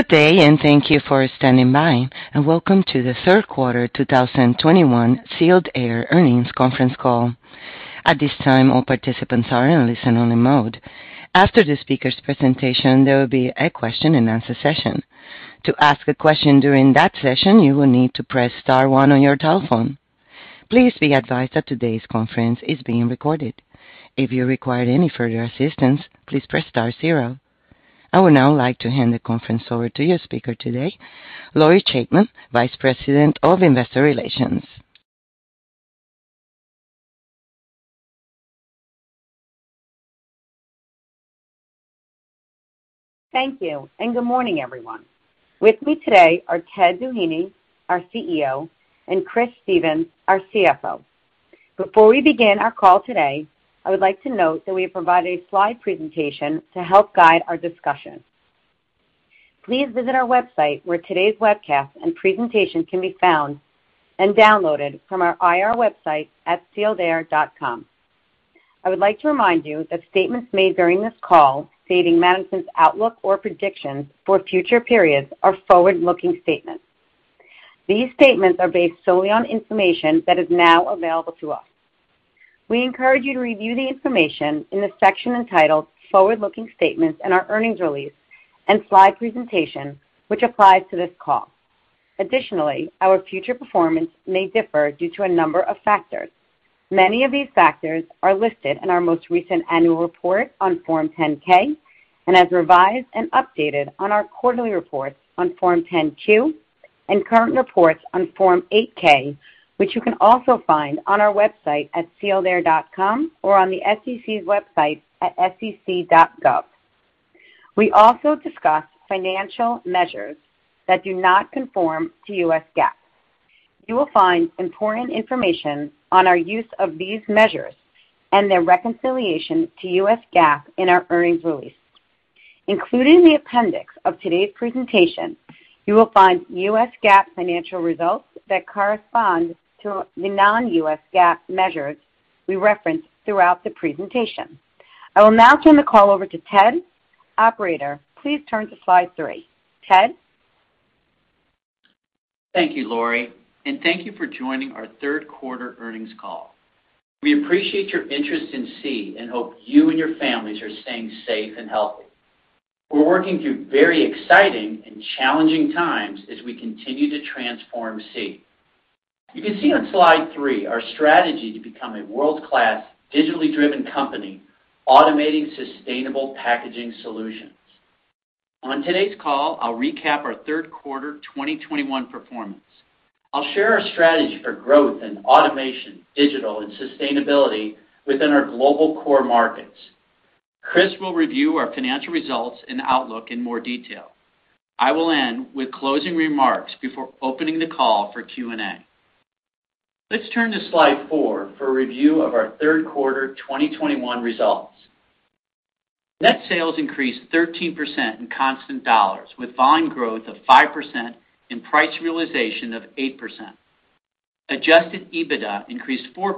Good day, thank you for standing by, and welcome to the Q3 2021 Sealed Air Earnings Conference Call. At this time, all participants are in a listen-only mode. After the speaker's presentation, there will be a question-and-answer session. To ask a question during that session, you will need to press star one on your telephone. Please be advised that today's conference is being recorded. If you require any further assistance, please press star zero. I would now like to hand the conference over to your speaker today, Lori Chaitman, Vice President of Investor Relations. Thank you. Good morning, everyone. With me today are Ted Doheny, our CEO, and Chris Stephens, our CFO. Before we begin our call today, I would like to note that we have provided a slide presentation to help guide our discussion. Please visit our website where today's webcast and presentation can be found and downloaded from our IR website at sealedair.com. I would like to remind you that statements made during this call stating management's outlook or predictions for future periods are forward-looking statements. These statements are based solely on information that is now available to us. We encourage you to review the information in the section entitled Forward-looking Statements in our earnings release and slide presentation, which applies to this call. Additionally, our future performance may differ due to a number of factors. Many of these factors are listed in our most recent annual report on Form 10-K and as revised and updated on our quarterly reports on Form 10-Q and current reports on Form 8-K, which you can also find on our website at sealedair.com or on the SEC's website at sec.gov. We also discuss financial measures that do not conform to U.S. GAAP. You will find important information on our use of these measures and their reconciliation to U.S. GAAP in our earnings release. Including the appendix of today's presentation, you will find U.S. GAAP financial results that correspond to the non-U.S. GAAP measures we reference throughout the presentation. I will now turn the call over to Ted. Operator, please turn to slide three. Ted? Thank you, Lori, and thank you for joining our Q3 earnings call. We appreciate your interest in SEE and hope you and your families are staying safe and healthy. We're working through very exciting and challenging times as we continue to transform SEE. You can see on slide 3 our strategy to become a world-class digitally driven company automating sustainable packaging solutions. On today's call, I'll recap our Q3 2021 performance. I'll share our strategy for growth in automation, digital, and sustainability within our global core markets. Chris will review our financial results and outlook in more detail. I will end with closing remarks before opening the call for Q&A. Let's turn to slide 4 for a review of our Q3 2021 results. Net sales increased 13% in constant dollars with volume growth of 5% and price realization of 8%. Adjusted EBITDA increased 4%.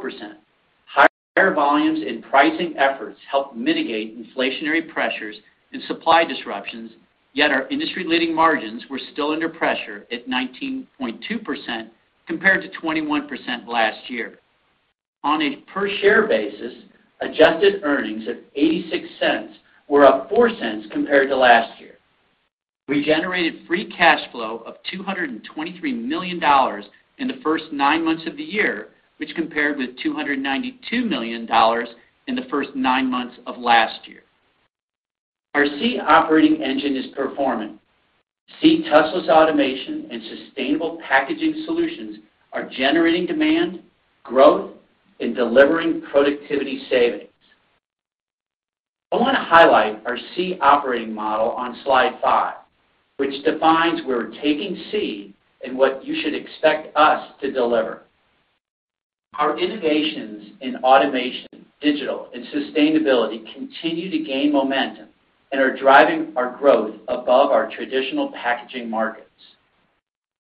Higher volumes and pricing efforts helped mitigate inflationary pressures and supply disruptions, yet our industry-leading margins were still under pressure at 19.2% compared to 21% last year. On a per-share basis, adjusted earnings of $0.86 were up $0.04 compared to last year. We generated free cash flow of $223 million in the first nine months of the year, which compared with $292 million in the first nine months of last year. Our SEE Operating Engine is performing. SEE touchless automation and sustainable packaging solutions are generating demand, growth, and delivering productivity savings. I wanna highlight our SEE Operating Model on slide 5, which defines where we're taking SEE and what you should expect us to deliver. Our innovations in automation, digital, and sustainability continue to gain momentum and are driving our growth above our traditional packaging markets.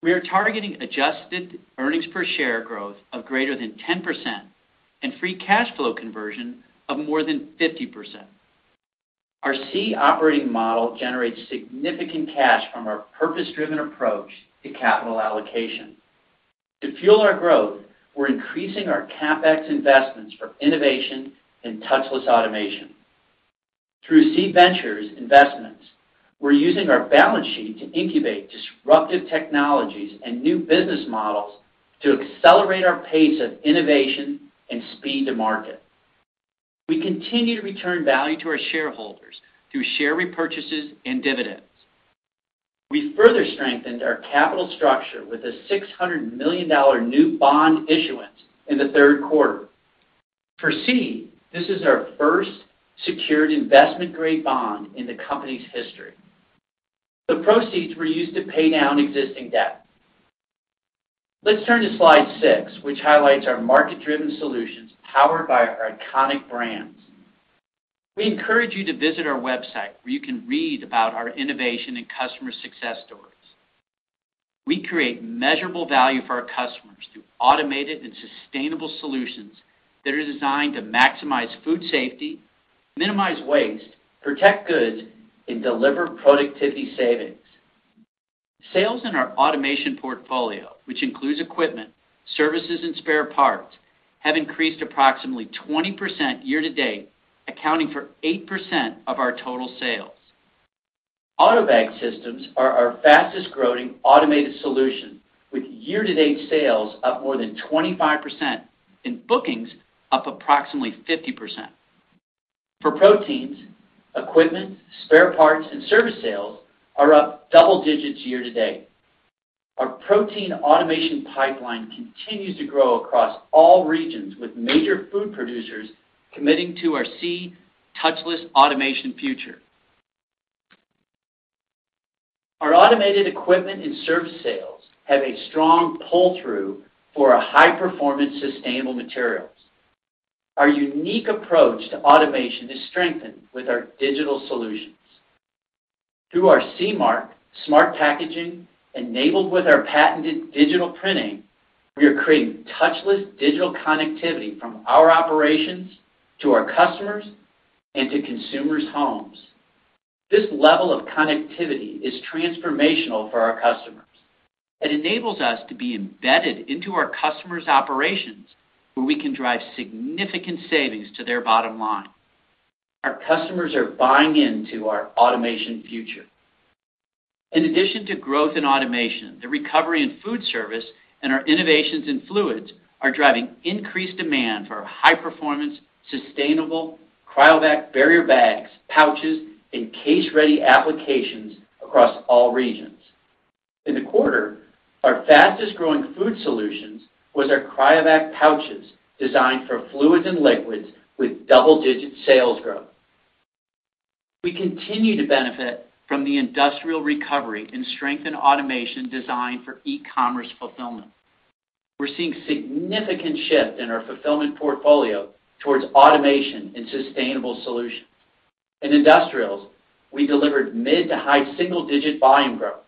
We are targeting adjusted earnings per share growth of greater than 10% and free cash flow conversion of more than 50%. Our SEE Operating Model generates significant cash from our purpose-driven approach to capital allocation. To fuel our growth, we're increasing our CapEx investments for innovation and touchless automation. Through SEE Ventures investments, we're using our balance sheet to incubate disruptive technologies and new business models to accelerate our pace of innovation and speed to market. We continue to return value to our shareholders through share repurchases and dividends. We further strengthened our capital structure with a $600 million new bond issuance in the Q3. For SEE, this is our first secured investment-grade bond in the company's history. The proceeds were used to pay down existing debt. Let's turn to slide 6, which highlights our market-driven solutions powered by our iconic brands. We encourage you to visit our website where you can read about our innovation and customer success stories. We create measurable value for our customers through automated and sustainable solutions that are designed to maximize food safety, minimize waste, protect goods, and deliver productivity savings. Sales in our automation portfolio, which includes equipment, services, and spare parts, have increased approximately 20% year-to-date, accounting for 8% of our total sales. AUTOBAG systems are our fastest-growing automated solution, with year-to-date sales up more than 25% and bookings up approximately 50%. For proteins, equipment, spare parts, and service sales are up double-digits year-to-date. Our protein automation pipeline continues to grow across all regions, with major food producers committing to our SEE touchless automation future. Our automated equipment and service sales have a strong pull-through for our high-performance sustainable materials. Our unique approach to automation is strengthened with our digital solutions. Through our SEE smart packaging enabled with our patented digital printing, we are creating touchless digital connectivity from our operations to our customers and to consumers' homes. This level of connectivity is transformational for our customers. It enables us to be embedded into our customers' operations where we can drive significant savings to their bottom-line. Our customers are buying into our automation future. In addition to growth in automation, the recovery in food service and our innovations in fluids are driving increased demand for our high-performance, sustainable Cryovac barrier bags, pouches, and case-ready applications across all regions. In the quarter, our fastest-growing Food solutions was our Cryovac pouches designed for fluids and liquids with double-digits sales growth. We continue to benefit from the industrial recovery and strengthen automation designed for e-commerce fulfillment. We're seeing significant shift in our Fulfillment portfolio towards automation and sustainable solutions. In Industrials, we delivered mid to high single-digit volume growth.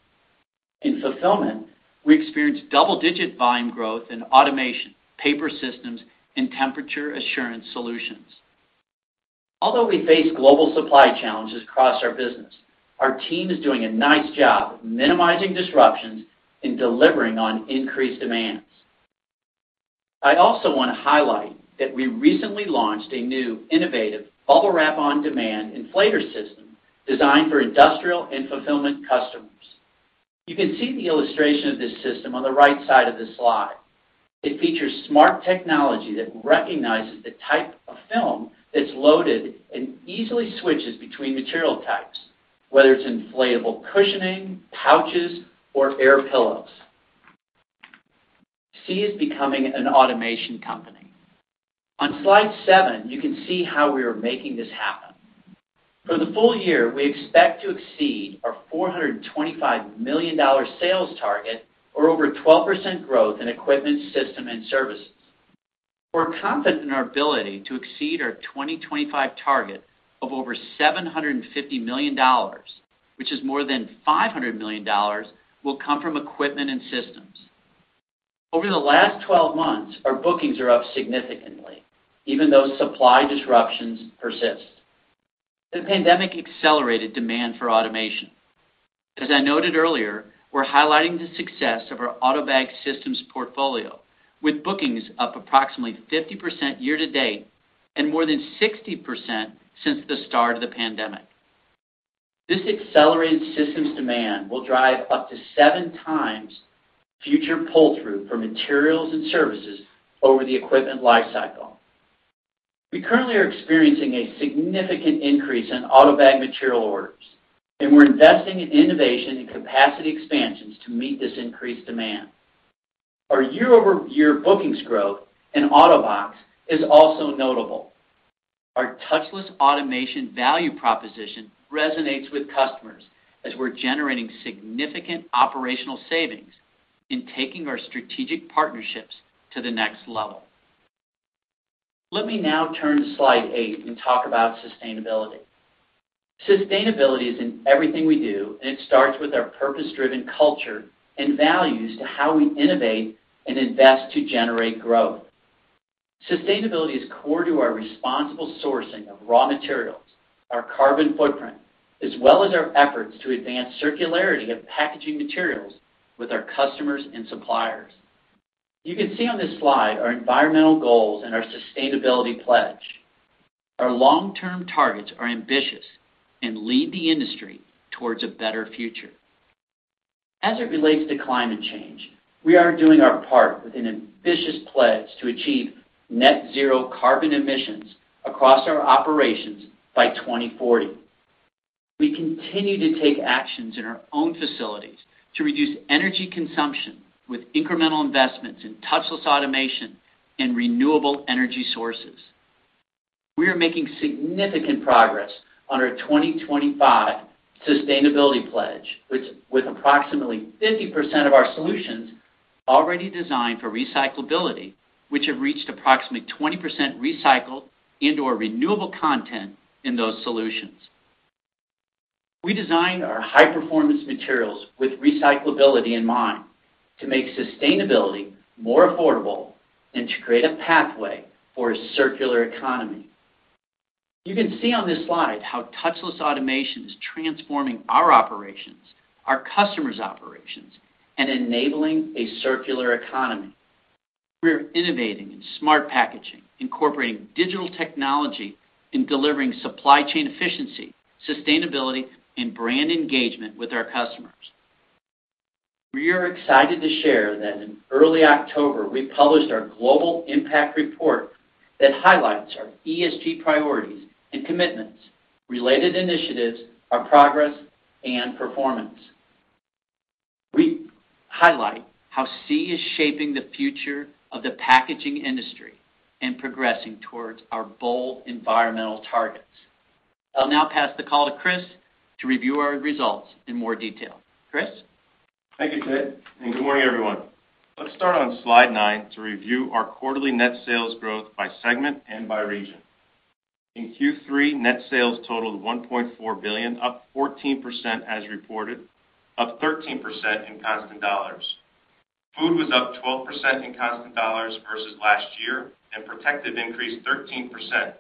In Fulfillment, we experienced double-digits volume growth in automation, paper systems, and temperature assurance solutions. Although we face global supply challenges across our business, our team is doing a nice job of minimizing disruptions and delivering on increased demands. I also want to highlight that we recently launched a new innovative Bubble Wrap on-demand inflator system designed for industrial and Fulfillment customers. You can see the illustration of this system on the right side of this slide. It features smart technology that recognizes the type of film that's loaded and easily switches between material types, whether it's inflatable cushioning, pouches, or air pillows. SEE is becoming an automation company. On slide seven, you can see how we are making this happen. For the full-year, we expect to exceed our $425 million sales target or over 12% growth in equipment, system, and services. We're confident in our ability to exceed our 2025 target of over $750 million, which is more than $500 million will come from equipment and systems. Over the last 12 months, our bookings are up significantly, even though supply disruptions persist. The pandemic accelerated demand for automation. As I noted earlier, we're highlighting the success of our AUTOBAG systems portfolio with bookings up approximately 50% year to date and more than 60% since the start of the pandemic. This accelerated systems demand will drive up to 7x future pull-through for materials and services over the equipment life cycle. We currently are experiencing a significant increase in AUTOBAG material orders, and we're investing in innovation and capacity expansions to meet this increased demand. Our year-over-year bookings growth in AutoBox is also notable. Our touchless automation value proposition resonates with customers as we're generating significant operational savings in taking our strategic partnerships to the next level. Let me now turn to slide 8 and talk about sustainability. Sustainability is in everything we do, and it starts with our purpose-driven culture and values to how we innovate and invest to generate growth. Sustainability is core to our responsible sourcing of raw materials, our carbon footprint, as well as our efforts to advance circularity of packaging materials with our customers and suppliers. You can see on this slide our environmental goals and our sustainability pledge. Our long-term targets are ambitious and lead the industry towards a better future. As it relates to climate change, we are doing our part with an ambitious pledge to achieve net zero carbon emissions across our operations by 2040. We continue to take actions in our own facilities to reduce energy consumption with incremental investments in touchless automation and renewable energy sources. We are making significant progress on our 2025 sustainability pledge, which, with approximately 50% of our solutions already designed for recyclability, which have reached approximately 20% recycled content in those solutions. We design our high-performance materials with recyclability in mind to make sustainability more affordable and to create a pathway for a circular economy. You can see on this slide how touchless automation is transforming our operations, our customers' operations, and enabling a circular economy. We're innovating in smart packaging, incorporating digital technology, and delivering supply chain efficiency, sustainability, and brand engagement with our customers. We are excited to share that in early October, we published our global impact report that highlights our ESG priorities and commitments, related initiatives, our progress, and performance. We highlight how SEE is shaping the future of the packaging industry and progressing towards our bold environmental targets. I'll now pass the call to Chris to review our results in more detail. Chris? Thank you, Ted, and good morning, everyone. Let's start on slide 9 to review our quarterly net sales growth by segment and by region. In Q3, net sales totaled $1.4 billion, up 14% as reported, up 13% in constant dollars. Food was up 12% in constant dollars versus last year, and Protective increased 13%.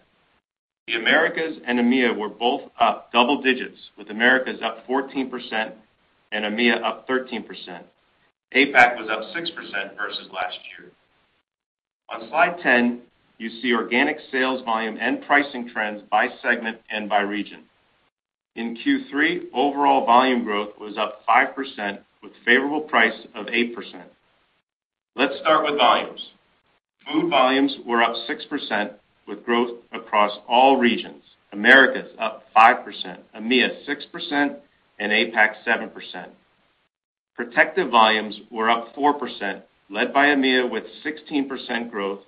The Americas and EMEA were both up double-digits, with Americas up 14% and EMEA up 13%. APAC was up 6% versus last year. On slide 10, you see organic sales volume and pricing trends by segment and by region. In Q3, overall volume growth was up 5% with favorable pricing of 8%. Let's start with volumes. Food volumes were up 6% with growth across all regions. Americas up 5%, EMEA 6%, and APAC 7%. Protective volumes were up 4%, led by EMEA with 16% growth,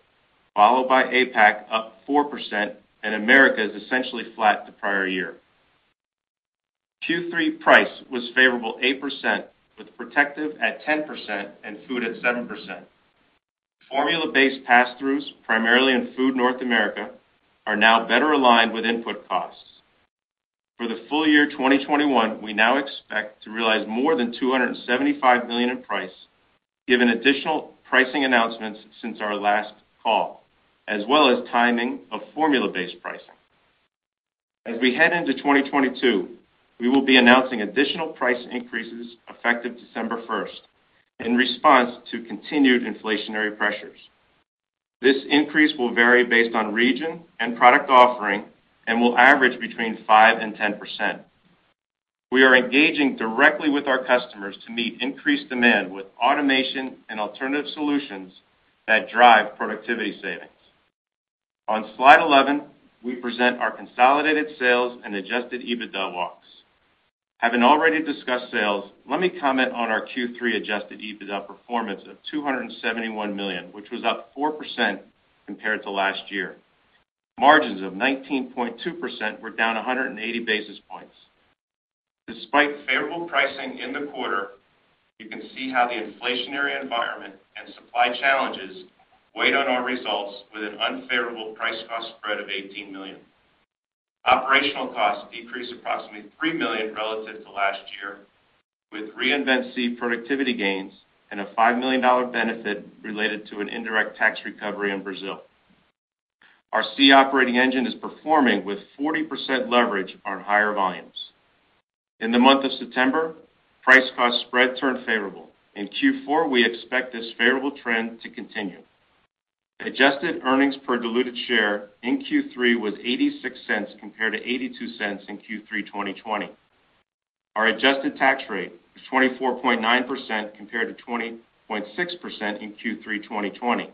followed by APAC up 4%, and Americas essentially flat the prior year. Q3 price was favorable 8% with Protective at 10% and Food at 7%. Formula-based passthroughs, primarily in Food North America, are now better aligned with input costs. For the full-year 2021, we now expect to realize more than $275 million in price given additional pricing announcements since our last call, as well as timing of formula-based pricing. As we head into 2022, we will be announcing additional price increases effective December 1 in response to continued inflationary pressures. This increase will vary based on region and product offering and will average between 5% and 10%. We are engaging directly with our customers to meet increased demand with automation and alternative solutions that drive productivity savings. On slide 11, we present our consolidated sales and adjusted EBITDA walks. Having already discussed sales, let me comment on our Q3 adjusted EBITDA performance of $271 million, which was up 4% compared to last year. Margins of 19.2% were down 180 basis points. Despite favorable pricing in the quarter, you can see how the inflationary environment and supply challenges weighed on our results with an unfavorable price cost spread of $18 million. Operational costs decreased approximately $3 million relative to last year with Reinvent SEE productivity gains and a $5 million benefit-related to an indirect tax recovery in Brazil. Our SEE Operating Engine is performing with 40% leverage on higher volumes. In the month of September, price cost spread turned favorable. In Q4, we expect this favorable trend to continue. Adjusted earnings per diluted share in Q3 was $0.86 compared to $0.82 in Q3 2020. Our adjusted tax rate was 24.9% compared to 20.6% in Q3 2020.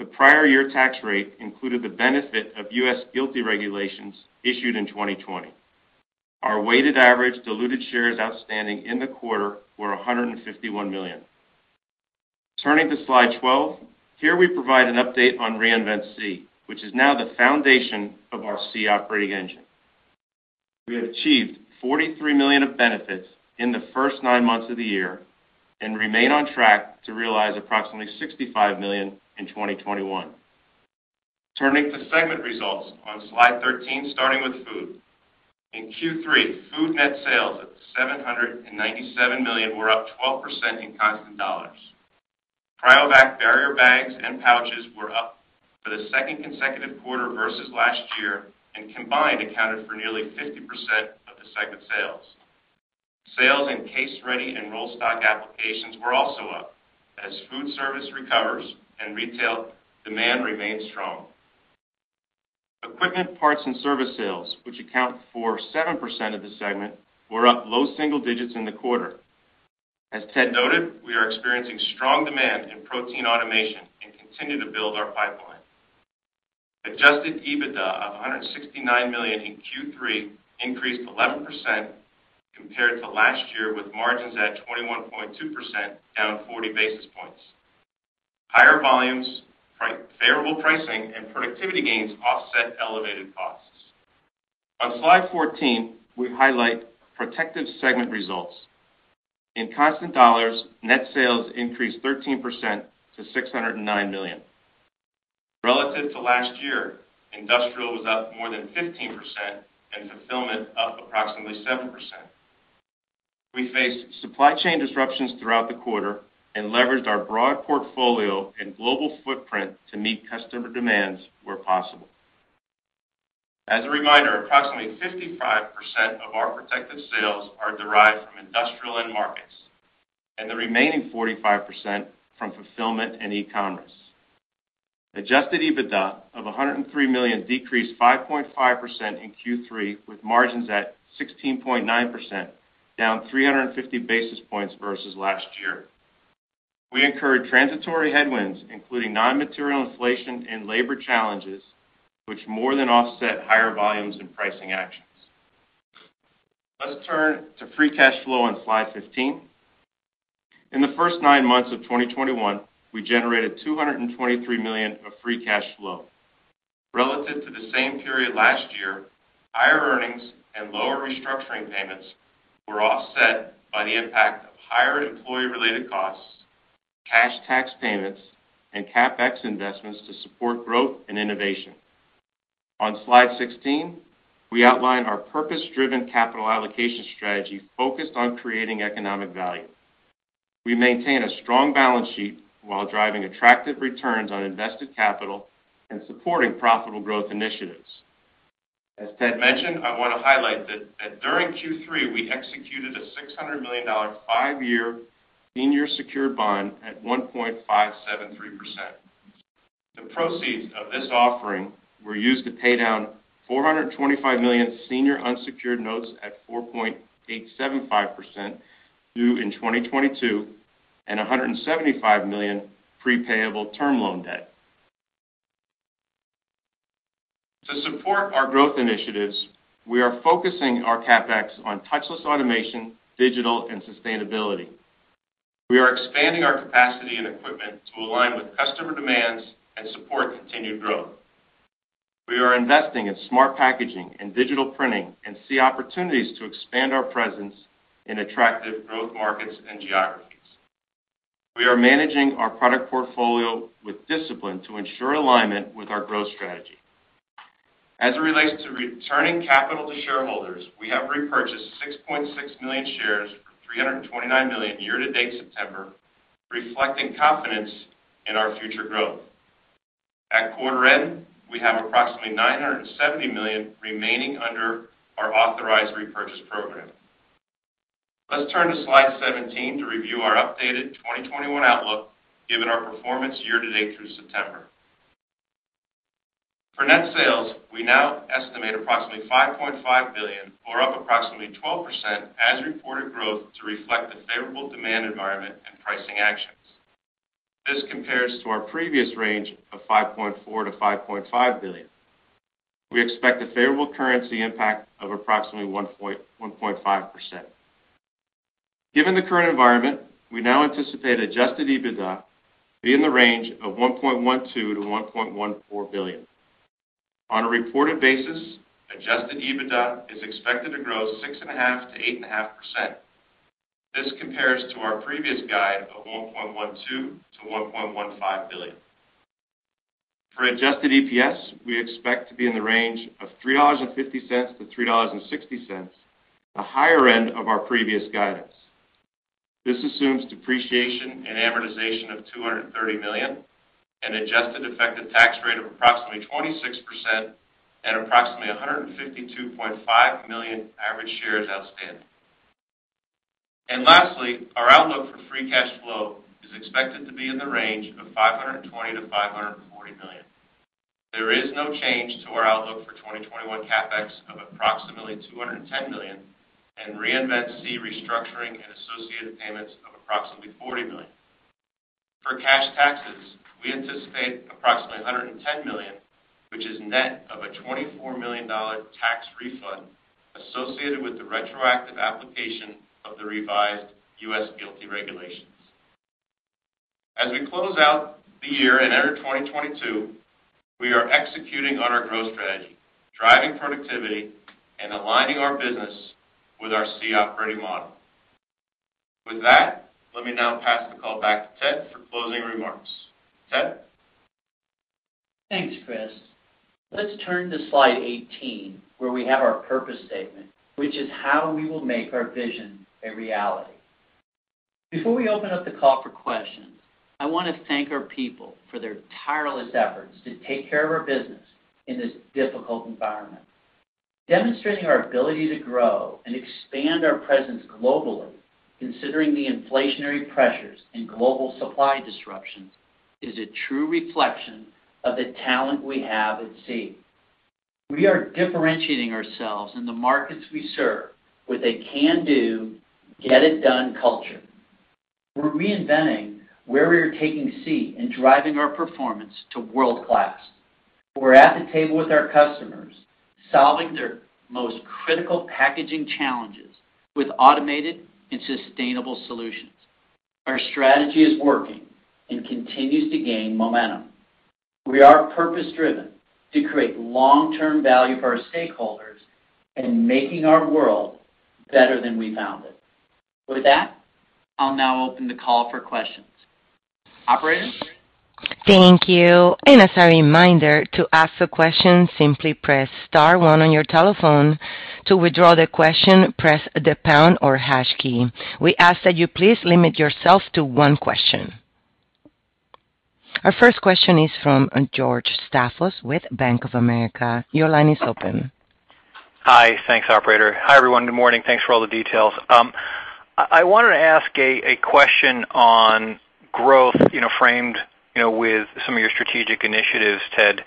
The prior year tax rate included the benefit of US GILTI regulations issued in 2020. Our weighted average diluted shares outstanding in the quarter were 151 million. Turning to slide 12, here we provide an update on Reinvent SEE, which is now the foundation of our SEE Operating Engine. We have achieved $43 million of benefits in the first nine months of the year and remain on track to realize approximately $65 million in 2021. Turning to segment results on slide 13, starting with Food. In Q3, Food net sales of $797 million were up 12% in constant dollars. Cryovac barrier bags and pouches were up for the second consecutive quarter versus last year and combined accounted for nearly 50% of the segment sales. Sales in case ready and roll stock applications were also up as food service recovers and retail demand remains strong. Equipment, parts, and service sales, which account for 7% of the segment, were up low single-digit in the quarter. As Ted noted, we are experiencing strong demand in protein automation and continue to build our pipeline. Adjusted EBITDA of $169 million in Q3 increased 11% compared to last year, with margins at 21.2% down 40 basis points. Higher volumes, favorable pricing, and productivity gains offset elevated costs. On slide 14, we highlight Protective segment results. In constant dollars, net sales increased 13% to $609 million. Relative to last year, industrial was up more than 15% and fulfillment up approximately 7%. We faced supply chain disruptions throughout the quarter and leveraged our broad portfolio and global footprint to meet customer demands where possible. As a reminder, approximately 55% of our Protective sales are derived from industrial end markets, and the remaining 45% from fulfillment and e-commerce. Adjusted EBITDA of $103 million decreased 5.5% in Q3, with margins at 16.9%, down 350 basis points versus last year. We incurred transitory headwinds, including non-material inflation and labor challenges, which more than offset higher volumes and pricing actions. Let's turn to free cash flow on slide 15. In the first nine months of 2021, we generated $223 million of free cash flow. Relative to the same period last year, higher earnings and lower restructuring payments were offset by the impact of higher employee-related costs, cash tax payments, and CapEx investments to support growth and innovation. On slide 16, we outline our purpose-driven capital allocation strategy focused on creating economic value. We maintain a strong balance sheet while driving attractive returns on invested capital and supporting profitable growth initiatives. As Ted mentioned, I wanna highlight that during Q3, we executed a $600 million five-year senior secured bond at 1.573%. The proceeds of this offering were used to pay down $425 million senior unsecured notes at 4.875% due in 2022, and $175 million pre-payable term loan debt. To support our growth initiatives, we are focusing our CapEx on touchless automation, digital, and sustainability. We are expanding our capacity and equipment to align with customer demands and support continued growth. We are investing in smart packaging and digital printing, and see opportunities to expand our presence in attractive growth markets and geographies. We are managing our product portfolio with discipline to ensure alignment with our growth strategy. As it relates to returning capital to shareholders, we have repurchased 6.6 million shares, from 329 million year-to-date September, reflecting confidence in our future growth. At quarter end, we have approximately $970 million remaining under our authorized repurchase program. Let's turn to slide 17 to review our updated 2021 outlook given our performance year-to-date through September. For net sales, we now estimate approximately $5.5 billion or up approximately 12% as reported growth to reflect the favorable demand environment and pricing actions. This compares to our previous range of $5.4 billion-$5.5 billion. We expect a favorable currency impact of approximately 1%-1.5%. Given the current environment, we now anticipate adjusted EBITDA be in the range of $1.12 billion-$1.14 billion. On a reported basis, adjusted EBITDA is expected to grow 6.5%-8.5%. This compares to our previous guide of $1.12-$1.15 billion. For adjusted EPS, we expect to be in the range of $3.50-$3.60, the higher end of our previous guidance. This assumes depreciation and amortization of $230 million, an adjusted effective tax rate of approximately 26%, and approximately 152.5 million average shares outstanding. Lastly, our outlook for free cash flow is expected to be in the range of $520-$540 million. There is no change to our outlook for 2021 CapEx of approximately $210 million and Reinvent SEE restructuring and associated payments of approximately $40 million. For cash taxes, we anticipate approximately $110 million, which is net of a $24 million tax refund associated with the retroactive application of the revised US GILTI regulations. As we close out the year and enter 2022, we are executing on our growth strategy, driving productivity and aligning our business with our SEE Operating Model. With that, let me now pass the call back to Ted for closing remarks. Ted. Thanks, Chris. Let's turn to slide 18, where we have our purpose statement, which is how we will make our vision a reality. Before we open up the call for questions, I wanna thank our people for their tireless efforts to take care of our business in this difficult environment. Demonstrating our ability to grow and expand our presence globally considering the inflationary pressures and global supply disruptions, is a true reflection of the talent we have at SEE. We are differentiating ourselves in the markets we serve with a can-do, get-it-done culture. We're reinventing where we are taking SEE and driving our performance to world-class. We're at the table with our customers, solving their most critical packaging challenges with automated and sustainable solutions. Our strategy is working and continues to gain momentum. We are purpose-driven to create long-term value for our stakeholders and making our world better than we found it. With that, I'll now open the call for questions. Operator? Thank you. As a reminder, to ask a question, simply press star one on your telephone. To withdraw the question, press the pound or hash key. We ask that you please limit yourself to one question. Our first question is from George Staphos with Bank of America. Your line is open. Hi. Thanks, operator. Hi, everyone. Good morning. Thanks for all the details. I wanted to ask a question on growth, you know, framed, you know, with some of your strategic initiatives, Ted.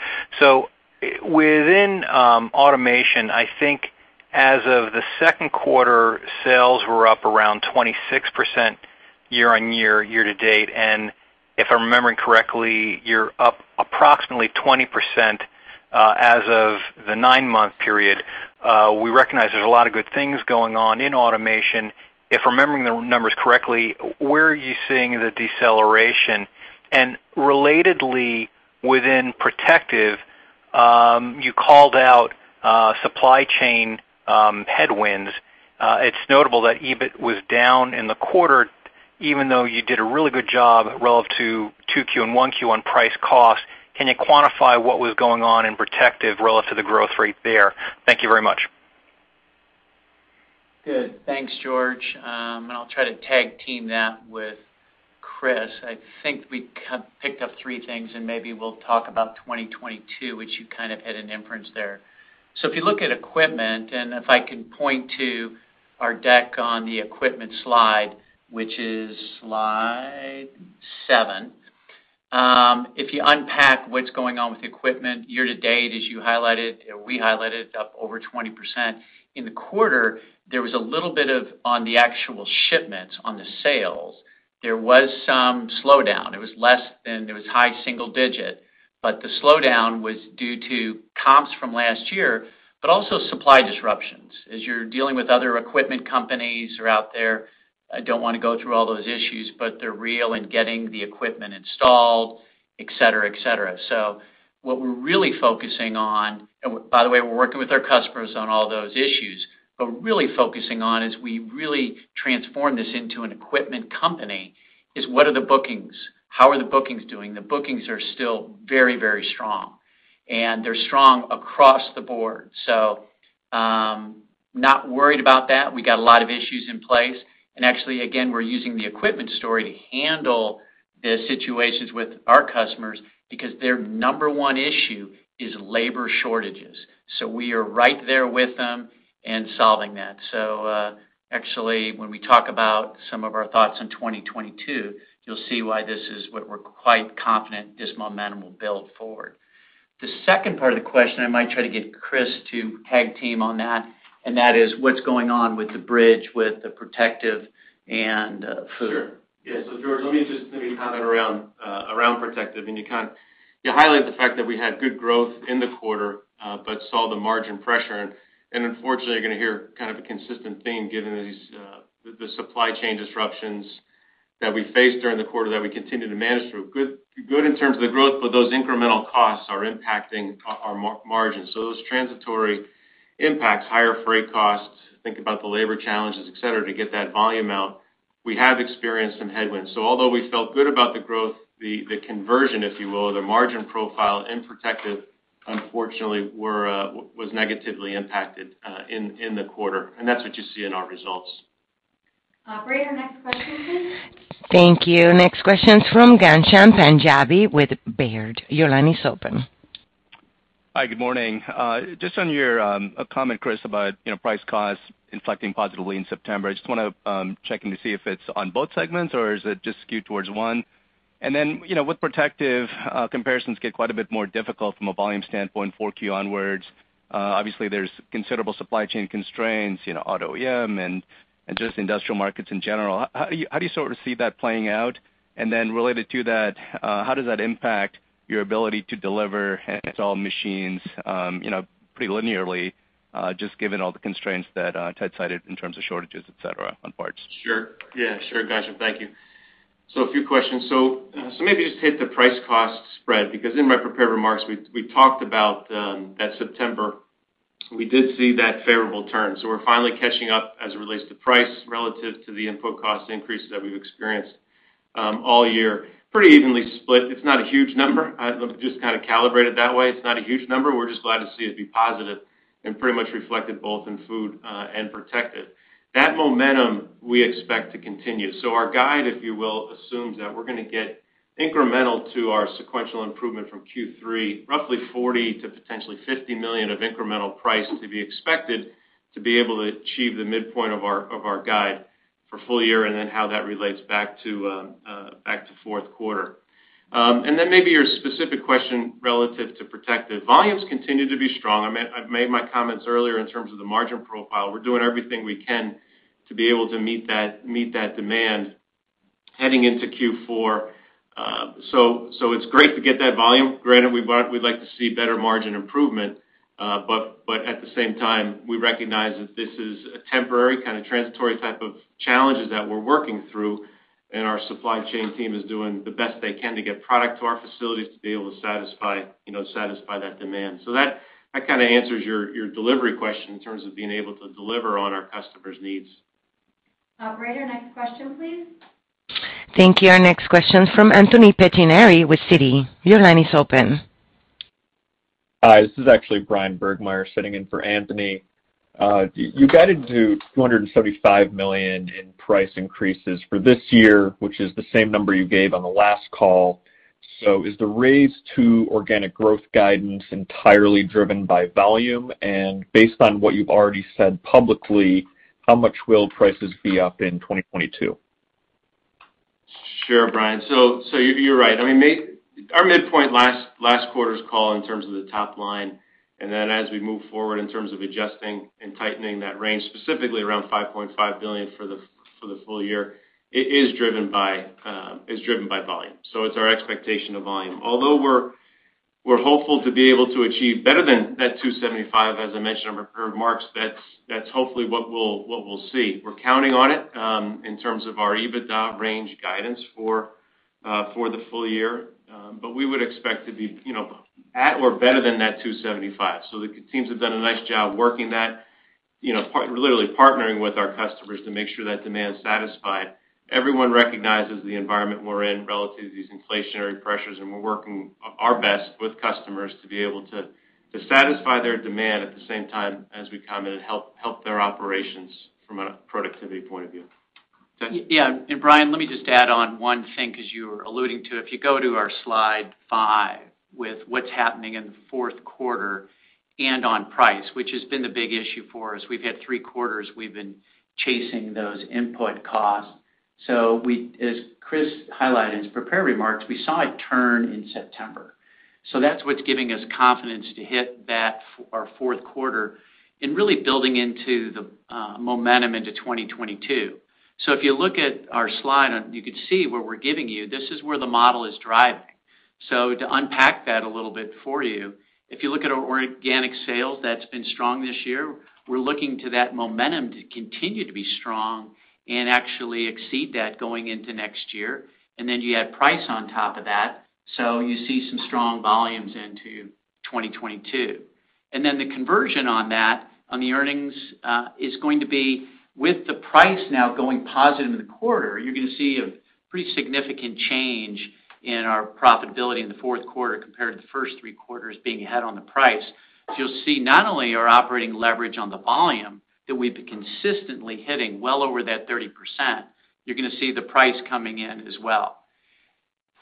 Within automation, I think as of the Q2, sales were up around 26% year-on-year, year-to-date. If I'm remembering correctly, you're up approximately 20% as of the nine-month period. We recognize there's a lot of good things going on in automation. If I'm remembering the numbers correctly, where are you seeing the deceleration? Relatedly, within Protective, you called out supply chain headwinds. It's notable that EBIT was down in the quarter even though you did a really good job relative to 2Q and 1Q on price-cost. Can you quantify what was going on in Protective relative to the growth rate there? Thank you very much. Good. Thanks, George. I'll try to tag-team that with Chris. I think we picked up three things, and maybe we'll talk about 2022, which you kind of had a reference there. If you look at equipment, and if I can point to our deck on the equipment slide, which is slide 7. If you unpack what's going on with equipment year-to-date, as you highlighted, we highlighted up over 20%. In the quarter, there was a little bit of a slowdown on the actual shipments and sales. There was some slowdown. It was less than high single-digit. The slowdown was due to comps from last year, but also supply disruptions. As you're dealing with other equipment companies who are out there, I don't wanna go through all those issues, but they're real in getting the equipment installed, et cetera, et cetera. What we're really focusing on, and by the way, we're working with our customers on all those issues, but really focusing on is we really transform this into an equipment company is what are the bookings? How are the bookings doing? The bookings are still very, very strong, and they're strong across the board. Not worried about that. We got a lot of systems in place. Actually, again, we're using the equipment story to handle the situations with our customers because their number one issue is labor shortages. We are right there with them in solving that. Actually, when we talk about some of our thoughts in 2022, you'll see why this is what we're quite confident this momentum will build forward. The second part of the question, I might try to get Chris to tag team on that, and that is what's going on with the bridge, with the Protective and Food. Sure. Yeah. George, let me just maybe comment around Protective, and you kind of highlight the fact that we had good growth in the quarter, but saw the margin pressure. Unfortunately, you're gonna hear kind of a consistent theme given these, the supply chain disruptions that we faced during the quarter that we continue to manage through. Good in terms of the growth, but those incremental costs are impacting our margins. Those transitory impacts, higher freight costs, think about the labor challenges, et cetera, to get that volume out, we have experienced some headwinds. Although we felt good about the growth, the conversion, if you will, the margin profile in Protective unfortunately was negatively impacted in the quarter, and that's what you see in our results. Operator, next question please. Thank you. Next question's from Ghansham Panjabi with Baird. Your line is open. Hi. Good morning. Just on your comment, Chris, about you know price cost inflecting positively in September. I just wanna check in to see if it's on both segments or is it just skewed towards one. You know, with Protective comparisons get quite a bit more difficult from a volume standpoint, 4Q onwards. Obviously there's considerable supply chain constraints, you know, auto OEM and just industrial markets in general. How do you sort of see that playing out? Related to that, how does that impact your ability to deliver install machines you know pretty linearly just given all the constraints that Ted cited in terms of shortages, et cetera, on parts? Sure. Yeah, sure, Ghansham. Thank you. A few questions. Maybe just hit the price cost spread, because in my prepared remarks, we talked about that September we did see that favorable turn. We're finally catching up as it relates to price relative to the input cost increases that we've experienced all year. Pretty evenly split. It's not a huge number. Let me just kind of calibrate it that way. It's not a huge number. We're just glad to see it be positive and pretty much reflected both in Food and Protective. That momentum we expect to continue. Our guide, if you will, assumes that we're gonna get incremental to our sequential improvement from Q3, roughly $40 million to potentially $50 million of incremental price to be expected to be able to achieve the midpoint of our guide for full-year and then how that relates back to Q4. Maybe your specific question relative to Protective. Volumes continue to be strong. I've made my comments earlier in terms of the margin profile. We're doing everything we can to be able to meet that demand heading into Q4. It's great to get that volume. Granted, we'd like to see better margin improvement, but at the same time, we recognize that this is a temporary kind of transitory type of challenges that we're working through. Our supply chain team is doing the best they can to get product to our facilities to be able to satisfy that demand. That kinda answers your delivery question in terms of being able to deliver on our customers' needs. Operator, next question, please. Thank you. Our next question from Anthony Pettinari with Citigroup. Your line is open. Hi. This is actually Bryan Burgmeier sitting in for Anthony. You guided to $275 million in price increases for this year, which is the same number you gave on the last call. Is the raise to organic growth guidance entirely driven by volume? And based on what you've already said publicly, how much will prices be up in 2022? Sure, Brian. You're right. I mean, our midpoint last quarter's call in terms of the top-line, and then as we move forward in terms of adjusting and tightening that range, specifically around $5.5 billion for the full-year, it is driven by volume. It's our expectation of volume. Although we're hopeful to be able to achieve better than that 2.75%, as I mentioned in my prepared remarks, that's hopefully what we'll see. We're counting on it in terms of our EBITDA range guidance for the full-year. But we would expect to be, you know, at or better than that 2.75%. The teams have done a nice job working that, you know, literally partnering with our customers to make sure that demand's satisfied. Everyone recognizes the environment we're in relative to these inflationary pressures, and we're working our best with customers to be able to satisfy their demand, at the same time, as we commented, help their operations from a productivity point of view. Ted? Yeah. Bryan, let me just add on one thing, 'cause you were alluding to it. If you go to our slide five with what's happening in the Q4 and on price, which has been the big issue for us. We've had three quarters we've been chasing those input costs. As Chris highlighted in his prepared remarks, we saw a turn in September. That's what's giving us confidence to hit that Q4 and really building into the momentum into 2022. If you look at our slide, and you can see what we're giving you, this is where the model is driving. To unpack that a little bit for you, if you look at our organic sales, that's been strong this year, we're looking to that momentum to continue to be strong and actually exceed that going into next year. You add price on top of that, so you see some strong volumes into 2022. The conversion on that, on the earnings, is going to be with the price now going positive in the quarter, you're gonna see a pretty significant change in our profitability in the Q4 compared to the first three quarters being ahead on the price. You'll see not only our operating leverage on the volume, that we've been consistently hitting well over that 30%, you're gonna see the price coming in as well.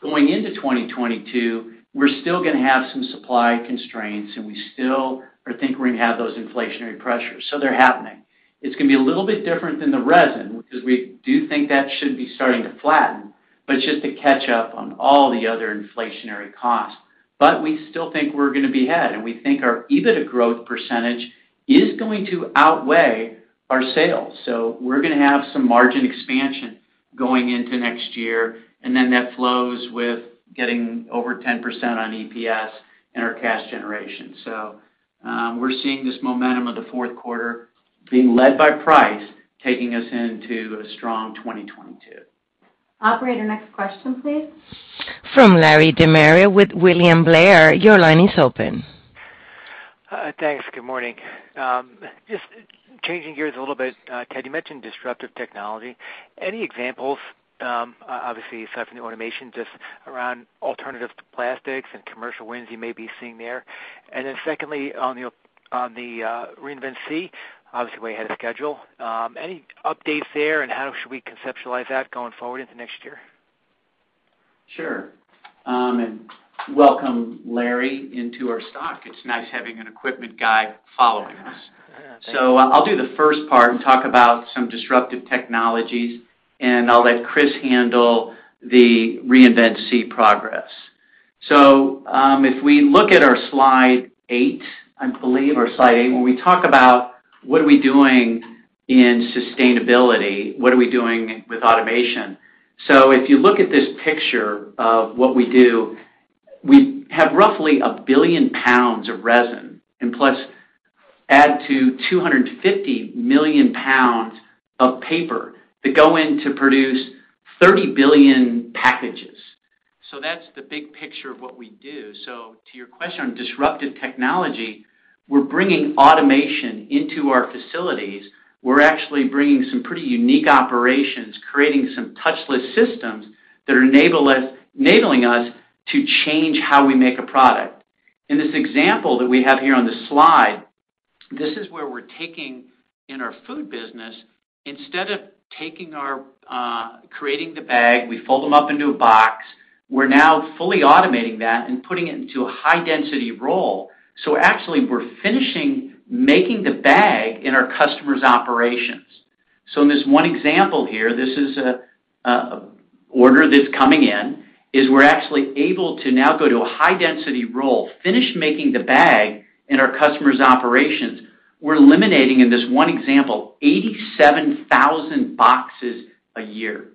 Going into 2022, we're still gonna have some supply constraints, and we still I think we're gonna have those inflationary pressures, so they're happening. It's gonna be a little bit different than the resin because we do think that should be starting to flatten, but it's just to catch up on all the other inflationary costs. We still think we're gonna be ahead, and we think our EBITDA growth percentage is going to outweigh our sales. We're gonna have some margin expansion going into next year, and then that flows with getting over 10% on EPS and our cash generation. We're seeing this momentum of the Q4 being led by price, taking us into a strong 2022. Operator, next question, please. From Larry De Maria with William Blair, your line is open. Thanks. Good morning. Just changing gears a little bit, Ted, you mentioned disruptive technology. Any examples, obviously aside from the automation, just around alternatives to plastics and commercial wins you may be seeing there? And then secondly, on the Reinvent SEE, obviously way ahead of schedule, any updates there, and how should we conceptualize that going forward into next year? Sure. Welcome Larry DeMaria into our stock. It's nice having an equipment guy following us. Thank you. I'll do the first part and talk about some disruptive technologies, and I'll let Chris handle the Reinvent SEE progress. If we look at our slide 8, I believe, or slide 8, when we talk about what we are doing in sustainability, what we are doing with automation. If you look at this picture of what we do, we have roughly 1 billion pounds of resin, and add to 250 million pounds of paper that go into produce 30 billion packages. That's the big picture of what we do. To your question on disruptive technology, we're bringing automation into our facilities. We're actually bringing some pretty unique operations, creating some touchless systems enabling us to change how we make a product. In this example that we have here on the slide, this is where we're taking in our Food business, instead of creating the bag, we fold them up into a box, we're now fully automating that and putting it into a high-density roll. Actually we're finishing making the bag in our customers' operations. In this one example here, this is an order that's coming in, we're actually able to now go to a high-density roll, finish making the bag in our customer's operations. We're eliminating, in this one example, 87,000 boxes a year.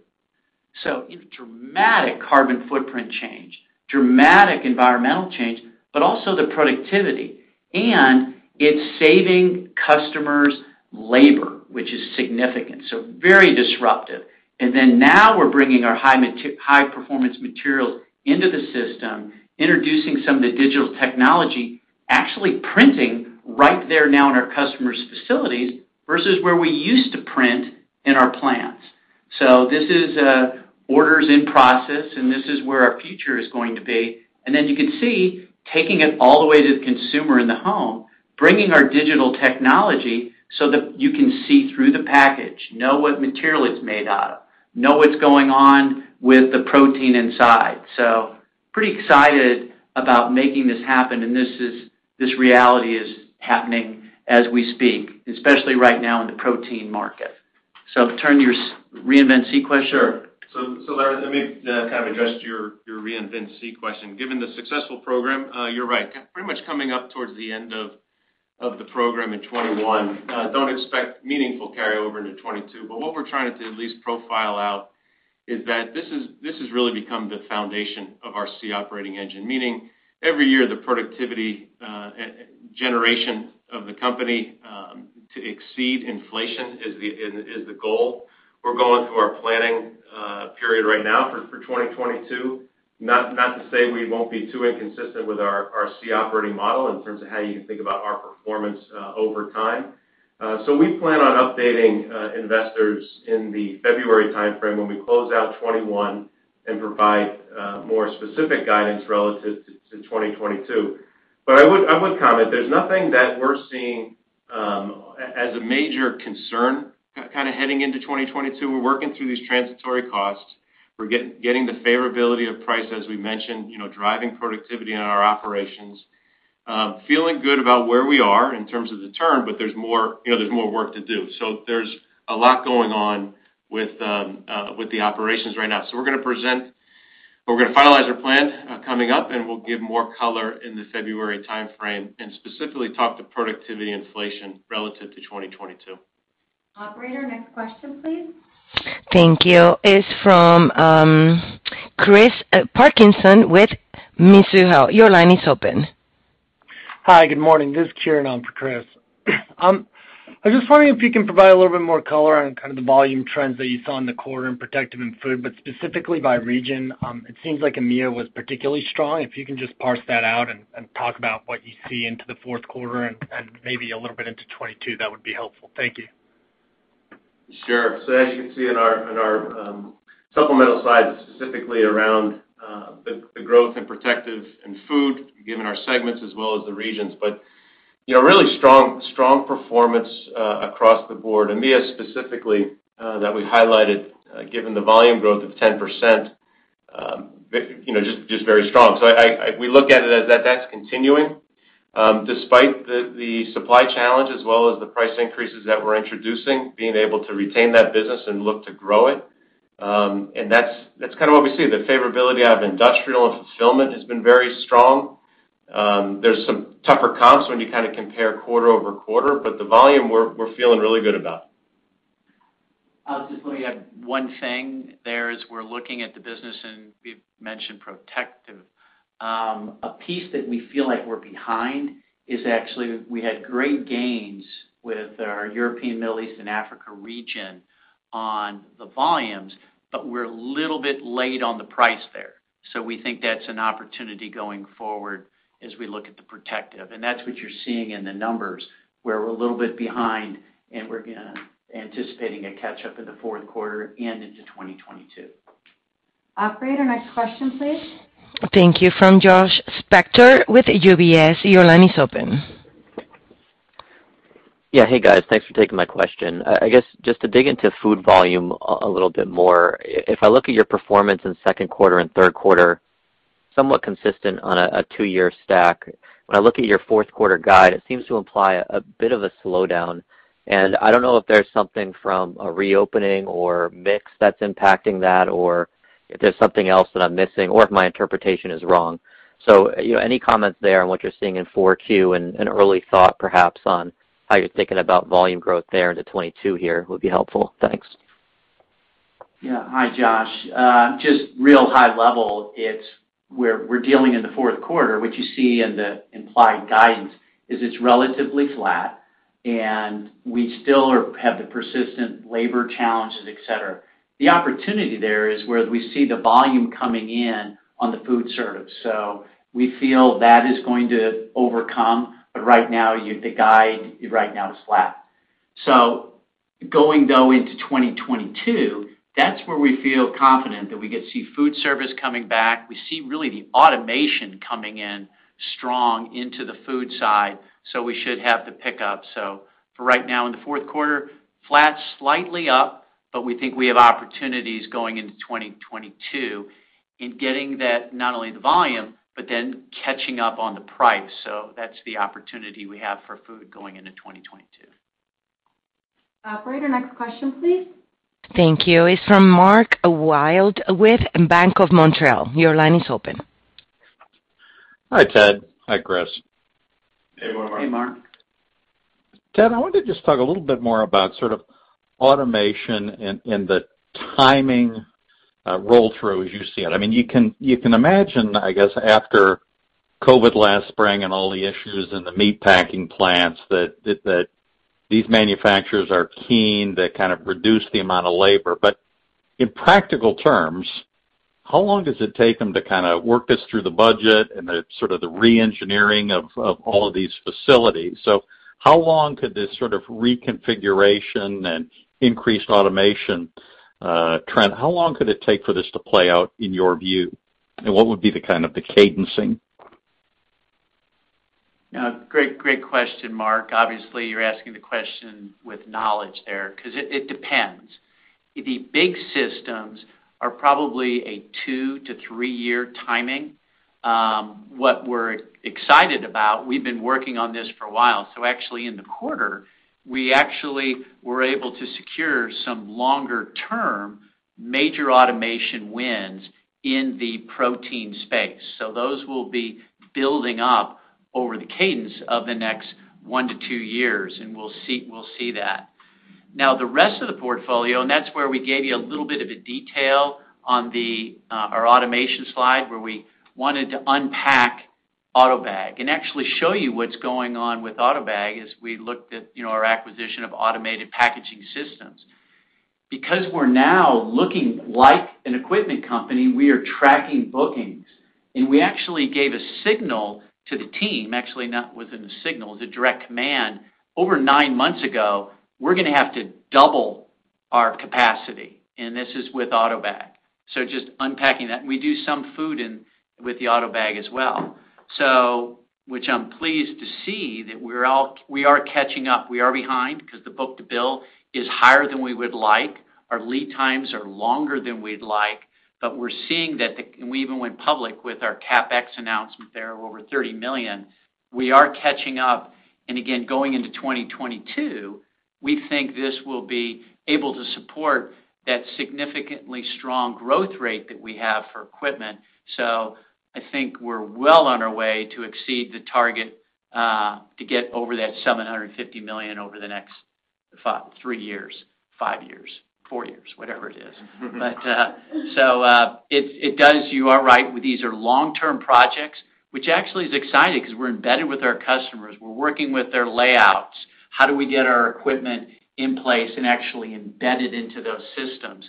A dramatic carbon footprint change, dramatic environmental change, but also the productivity. It's saving customers labor, which is significant, so very disruptive. Then now we're bringing our high-performance materials into the system, introducing some of the digital technology, actually printing right there now in our customers' facilities versus where we used to print in our plants. This is orders in process, and this is where our future is going to be. You can see, taking it all the way to the consumer in the home, bringing our digital technology so that you can see through the package, know what material it's made out of, know what's going on with the protein inside. Pretty excited about making this happen, and this reality is happening as we speak, especially right now in the protein market. Turn your Reinvent SEE question? Sure. Larry, let me kind of address your Reinvent SEE question. Given the successful program, you're right, pretty much coming up towards the end of the program in 2021. Don't expect meaningful carryover into 2022. What we're trying to at least profile out is that this has really become the foundation of our SEE Operating Engine. Meaning every year, the productivity generation of the company to exceed inflation is the goal. We're going through our planning period right now for 2022. Not to say we won't be too inconsistent with our SEE Operating Model in terms of how you think about our performance over time. We plan on updating investors in the February timeframe when we close out 2021 and provide more specific guidance relative to 2022. I would comment, there's nothing that we're seeing as a major concern kind of heading into 2022. We're working through these transitory costs. We're getting the favorability of price, as we mentioned, you know, driving productivity in our operations. Feeling good about where we are in terms of the turn, but there's more, you know, there's more work to do. There's a lot going on with the operations right now. We're gonna finalize our plan coming up, and we'll give more color in the February timeframe, and specifically talk to productivity inflation relative to 2022. Operator, next question, please. Thank you. It's from, Chris Parkinson with Mizuho. Your line is open. Hi, good morning. This is Kieran on for Chris. I was just wondering if you can provide a little bit more color on kind of the volume trends that you saw in the quarter in Protective and Food, but specifically by region. It seems like EMEA was particularly strong. If you can just parse that out and talk about what you see into the Q4 and maybe a little bit into 2022, that would be helpful. Thank you. Sure. As you can see in our supplemental slides, specifically around the growth in Protective and Food, given our segments as well as the regions. You know, really strong performance across the board. EMEA specifically, that we've highlighted, given the volume growth of 10%, you know, just very strong. We look at it as that's continuing, despite the supply challenge as well as the price increases that we're introducing, being able to retain that business and look to grow it. And that's kind of what we see. The favorability out of Industrial and Fulfillment has been very strong. There's some tougher comps when you kind of compare quarter-over-quarter, but the volume, we're feeling really good about. I'll just add one thing there as we're looking at the business and we've mentioned Protective. A piece that we feel like we're behind is actually we had great gains with our European, Middle East, and Africa region on the volumes, but we're a little bit late on the price there. We think that's an opportunity going forward as we look at the Protective. That's what you're seeing in the numbers, where we're a little bit behind and we're anticipating a catch-up in the Q4 and into 2022. Operator, next question, please. Thank you. From Joshua Spector with UBS. Your line is open. Yeah. Hey, guys. Thanks for taking my question. I guess just to dig into Food volume a little bit more, if I look at your performance in Q2 and Q3, somewhat consistent on a two-year stack. When I look at your Q4 guide, it seems to imply a bit of a slowdown. I don't know if there's something from a reopening or mix that's impacting that or if there's something else that I'm missing or if my interpretation is wrong. You know, any comments there on what you're seeing in 4Q and an early thought perhaps on how you're thinking about volume growth there into 2022 here would be helpful. Thanks. Yeah. Hi, Josh. Just real high-level, it's where we're dealing in the Q4. What you see in the implied guidance is it's relatively flat, and we still have the persistent labor challenges, et cetera. The opportunity there is where we see the volume coming in on the food service. We feel that is going to overcome. Right now, the guide right now is flat. Going, though, into 2022, that's where we feel confident that we could see food service coming back. We see really the automation coming in strong into the food side, so we should have the pickup. For right now in the Q4, flat, slightly up, but we think we have opportunities going into 2022 in getting that, not only the volume, but then catching up on the price. That's the opportunity we have for Food going into 2022. Operator, next question, please. Thank you. It's from Mark Wilde with BMO Capital Markets. Your line is open. Hi, Ted. Hi, Chris. Hey, Mark. Hey, Mark. Ted, I wanted to just talk a little bit more about sort of automation and the timing, roll through as you see it. I mean, you can imagine, I guess, after COVID last spring and all the issues in the meatpacking plants that these manufacturers are keen to kind of reduce the amount of labor. In practical terms, how long does it take them to kinda work this through the budget and the sort of the re-engineering of all of these facilities? How long could this sort of reconfiguration and increased automation trend, how long could it take for this to play out in your view? And what would be the kind of the cadencing? Great question, Mark. Obviously, you're asking the question with knowledge there, 'cause it depends. The big systems are probably a 2-3-year timing. What we're excited about, we've been working on this for a while. Actually in the quarter, we actually were able to secure some longer-term major automation wins in the protein space. Those will be building up over the cadence of the next 1-2 years, and we'll see that. Now, the rest of the portfolio, and that's where we gave you a little bit of a detail on our automation slide, where we wanted to unpack AUTOBAG and actually show you what's going on with AUTOBAG as we looked at, you know, our acquisition of Automated Packaging Systems. Because we're now looking like an equipment company, we are tracking bookings. We actually gave a signal to the team, actually not within a signal, it was a direct command, over nine months ago, we're gonna have to double our capacity, and this is with AUTOBAG. Just unpacking that. We do some Food in with the AUTOBAG as well. Which I'm pleased to see that we are catching up. We are behind 'cause the book-to-bill is higher than we would like. Our lead times are longer than we'd like. But we're seeing that the. We even went public with our CapEx announcement there over $30 million. We are catching up. Again, going into 2022, we think this will be able to support that significantly strong growth rate that we have for equipment. I think we're well on our way to exceed the target, to get over that $750 million over the next three years, five years, four years, whatever it is. It does, you are right. These are long-term projects, which actually is exciting 'cause we're embedded with our customers. We're working with their layouts. How do we get our equipment in place and actually embedded into those systems?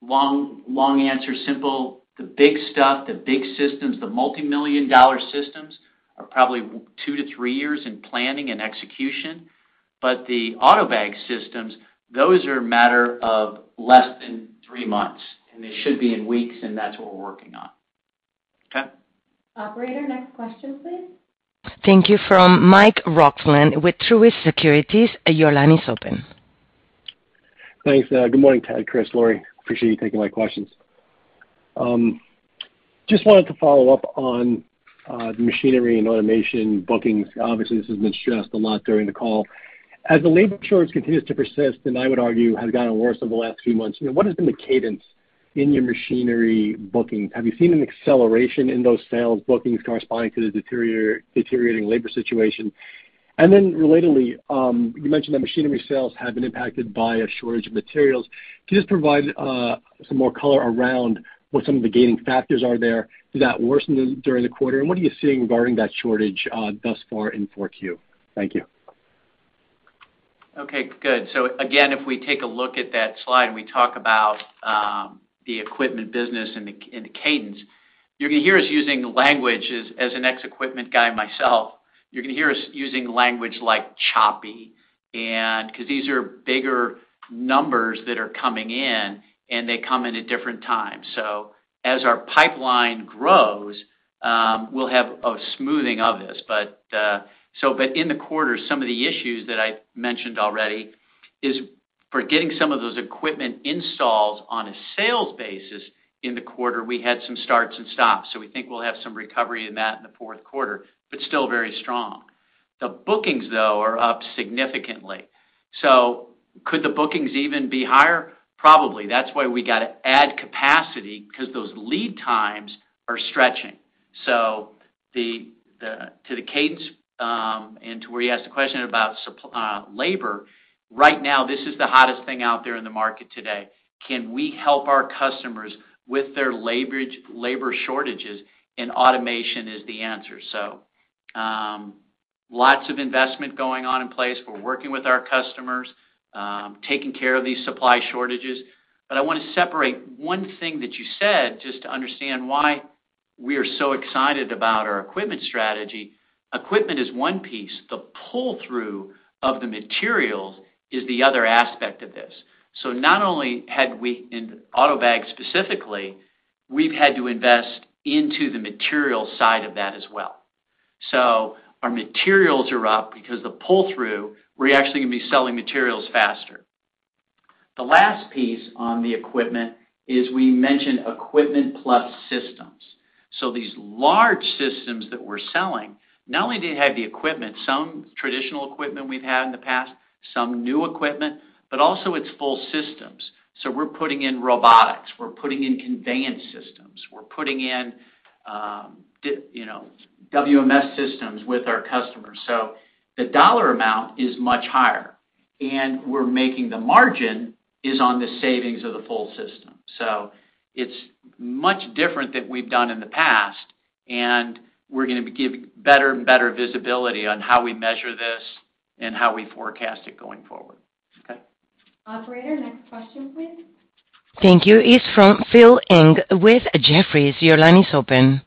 Long answer simple. The big stuff, the big systems, the multimillion-dollar systems are probably 2-3 years in planning and execution. The AUTOBAG systems, those are a matter of less than 3 months, and they should be in weeks, and that's what we're working on. Okay. Operator, next question, please. Thank you. From Michael Roxland with Truist Securities, your line is open. Thanks. Good morning, Ted, Chris, Lori. Appreciate you taking my questions. Just wanted to follow-up on the machinery and automation bookings. Obviously, this has been stressed a lot during the call. As the labor shortage continues to persist, and I would argue has gotten worse over the last few months, you know, what has been the cadence in your machinery bookings? Have you seen an acceleration in those sales bookings corresponding to the deteriorating labor situation? And then relatedly, you mentioned that machinery sales have been impacted by a shortage of materials. Can you just provide some more color around what some of the lagging factors are there? Did that worsen during the quarter, and what are you seeing regarding that shortage thus far in Q4? Thank you. Okay, good. Again, if we take a look at that slide and we talk about the equipment business and the cadence, you're gonna hear us using language, as an ex-equipment guy myself, like choppy and 'cause these are bigger numbers that are coming in, and they come in at different times. As our pipeline grows, we'll have a smoothing of this. In the quarter, some of the issues that I mentioned already is getting some of those equipment installs on a sales basis in the quarter, we had some starts and stops. We think we'll have some recovery in that in the Q4, but still very strong. The bookings, though, are up significantly. Could the bookings even be higher? Probably. That's why we gotta add capacity because those lead times are stretching. To the cadence and to where you asked the question about labor, right now, this is the hottest thing out there in the market today. Can we help our customers with their labor shortages? Automation is the answer. Lots of investment going on in place. We're working with our customers, taking care of these supply shortages. I wanna separate one thing that you said just to understand why we are so excited about our equipment strategy. Equipment is one piece. The pull-through of the materials is the other aspect of this. Not only had we, in AUTOBAG specifically, we've had to invest into the material side of that as well. Our materials are up because the pull-through, we're actually gonna be selling materials faster. The last piece on the equipment is we mentioned equipment plus systems. These large systems that we're selling, not only do they have the equipment, some traditional equipment we've had in the past, some new equipment, but also it's full systems. We're putting in robotics, we're putting in conveyance systems, we're putting in WMS systems with our customers. The dollar amount is much higher, and we're making the margin is on the savings of the full system. It's much different than we've done in the past, and we're gonna be giving better and better visibility on how we measure this and how we forecast it going forward. Okay? Operator, next question, please. Thank you. It's from Phil Ng with Jefferies. Your line is open.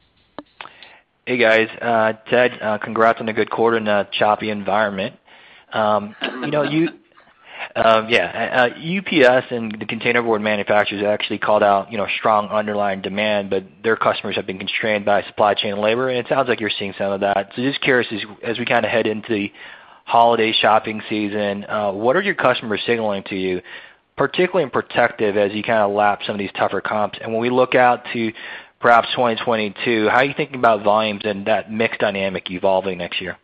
Hey, guys. Ted, congrats on a good quarter in a choppy environment. You know, UPS and the containerboard manufacturers actually called out, you know, strong underlying demand, but their customers have been constrained by supply chain and labor, and it sounds like you're seeing some of that. Just curious, as we kinda head into the holiday shopping season, what are your customers signaling to you, particularly in Protective, as you kinda lap some of these tougher comps? And when we look out to perhaps 2022, how are you thinking about volumes and that mix dynamic evolving next year?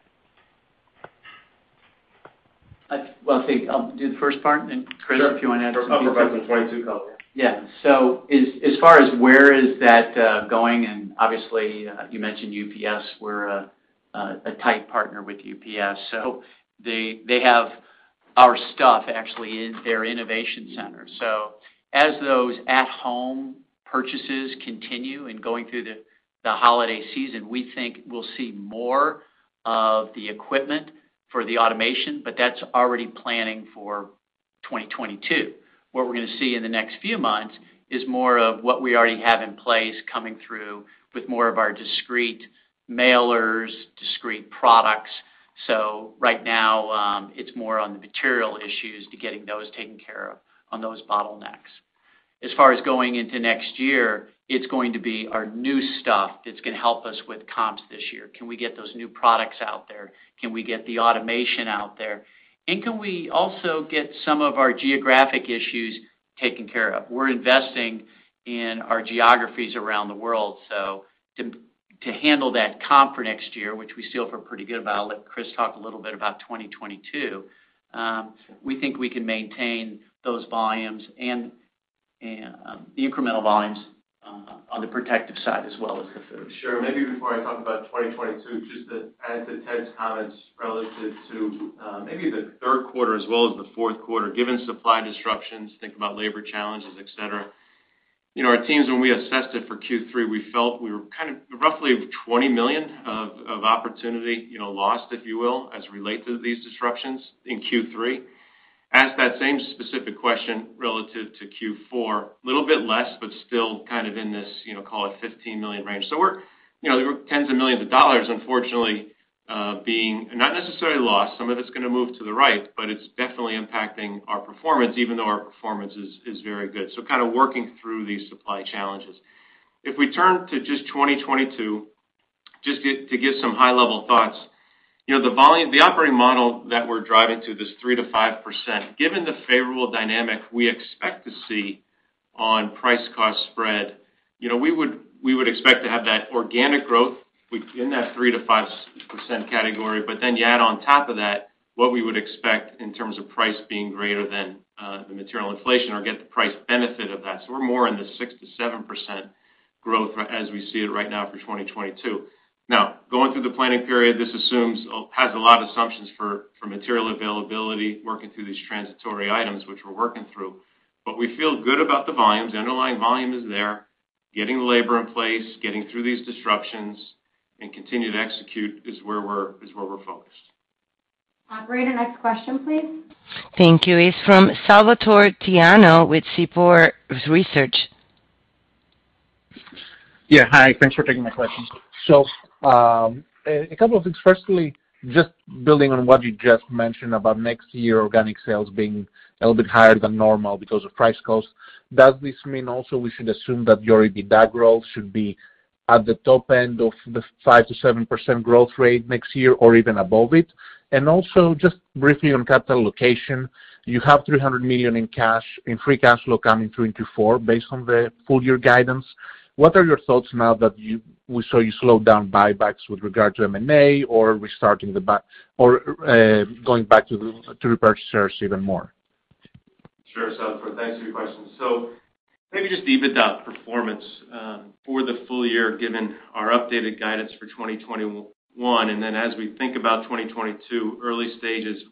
Well, see, I'll do the first part, and Chris- Sure If you wanna add some details. I'll provide the 22 color. Yeah. As far as where that is going, and obviously you mentioned UPS. We're a tight partner with UPS. They have our stuff actually in their innovation center. As those at-home purchases continue going through the holiday season, we think we'll see more of the equipment for the automation, but that's already planning for 2022. What we're gonna see in the next few months is more of what we already have in place coming through with more of our discrete mailers, discrete products. Right now, it's more on the material issues to getting those taken care of on those bottlenecks. As far as going into next year, it's going to be our new stuff that's gonna help us with comps this year. Can we get those new products out there? Can we get the automation out there? Can we also get some of our geographic issues taken care of? We're investing in our geographies around the world. To handle that comp for next year, which we still feel pretty good about. I'll let Chris talk a little bit about 2022. Sure. We think we can maintain those volumes and the incremental volumes on the Protective side as well as the Food. Sure. Maybe before I talk about 2022, just to add to Ted's comments relative to maybe the Q3 as well as the Q4, given supply disruptions, think about labor challenges, et cetera. You know, our teams, when we assessed it for Q3, we felt we were kind of roughly $20 million of opportunity lost, if you will, as relate to these disruptions in Q3. Asked that same specific question relative to Q4, little bit less, but still kind of in this, you know, call it $15 million range. We're you know, there were tens of millions of dollars, unfortunately, being not necessarily lost. Some of it's gonna move to the right, but it's definitely impacting our performance, even though our performance is very good. So kind of working through these supply challenges. If we turn to just 2022, to give some high-level thoughts. You know, the Operating Model that we're driving to this 3%-5%, given the favorable dynamic we expect to see on price-cost spread, you know, we would expect to have that organic growth in that 3%-5% category. But then you add on top of that what we would expect in terms of price being greater than the material inflation or get the price benefit of that. So we're more in the 6%-7% growth for, as we see it right now, for 2022. Now, going through the planning period, this has a lot of assumptions for material availability, working through these transitory items, which we're working through. But we feel good about the volumes. The underlying volume is there. Getting labor in place, getting through these disruptions, and continue to execute is where we're focused. Operator, next question, please. Thank you. It's from Salvatore Tiano with C4 Research. Yeah. Hi. Thanks for taking my questions. A couple of things. Firstly, just building on what you just mentioned about next year organic sales being a little bit higher than normal because of price cost, does this mean also we should assume that your EBITDA growth should be at the top-end of the 5%-7% growth rate next year or even above it? Also, just briefly on capital allocation, you have $300 million in free cash flow coming through in Q4 based on the full-year guidance. What are your thoughts now that we saw you slow down buybacks with regard to M&A or restarting the buybacks or going back to repurchase shares even more? Sure, Salvatore. Thanks for your questions. Maybe just the EBITDA performance for the full-year, given our updated guidance for 2021, and then as we think about 2022 early stages,